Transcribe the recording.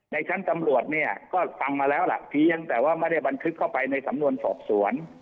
ในชั้นตำรวจเนี่ยก็ฟังมาแล้วล่ะเพียงแต่ว่าไม่ได้บันทึกเข้าไปในสำนวนสอบสวน